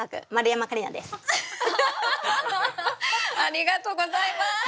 ありがとうございます。